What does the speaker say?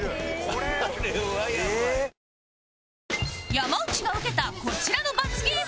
山内が受けたこちらの罰ゲーム